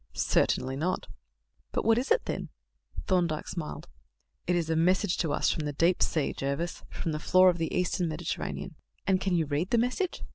"Certainly not." "But what is it, then?" Thorndyke smiled. "It is a message to us from the deep sea, Jervis; from the floor of the Eastern Mediterranean." "And can you read the message?"